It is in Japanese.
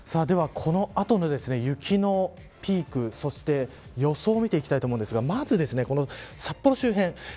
この後の雪のピークそして、予想を見ていきたいと思うんですがまず札幌周辺